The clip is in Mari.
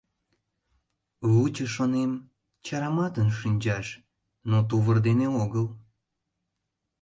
Лучо, шонем, чараматын шинчаш, но тувыр дене огыл...